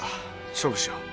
勝負しよう。